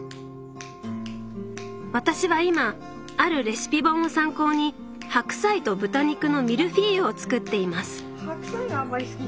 私は今あるレシピ本を参考に白菜と豚肉のミルフィーユを作っています